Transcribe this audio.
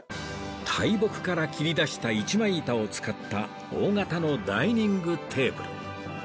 大木から切り出した一枚板を使った大型のダイニングテーブル